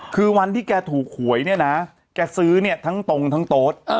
คือวันที่แกถูกหวยเนี่ยนะแกซื้อเนี่ยทั้งตรงทั้งโต๊ด